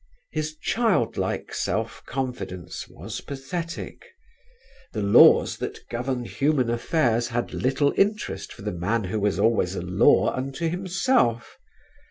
His child like self confidence was pathetic. The laws that govern human affairs had little interest for the man who was always a law unto himself.